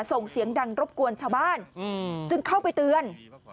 ส่งเสียงดังรบกวนชาวบ้านจึงเข้าไปเตือน